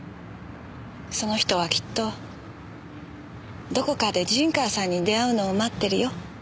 その人はきっとどこかで陣川さんに出会うのを待ってるよ。